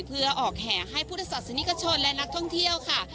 เพื่อออกแห่ให้พุทธศาสนิกชนและนักท่องเที่ยวค่ะ